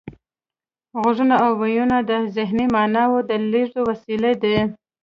غږونه او وییونه د ذهني معناوو د لیږد وسیلې دي